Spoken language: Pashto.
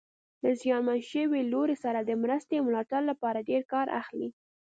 له زیانمن شوي لوري سره د مرستې او ملاتړ لپاره ډېر کار اخلي.